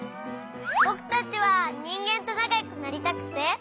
ぼくたちはにんげんとなかよくなりたくて。